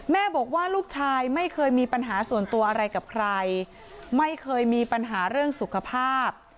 แม่บอกว่าลูกชายไม่เคยมีปัญหาส่วนตัวอะไรกับใครไม่เคยมีปัญหาเรื่องสุขภาพ